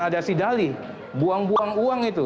adasi dali buang buang uang itu